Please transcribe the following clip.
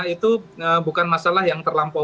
itu bukan masalah yang terlampau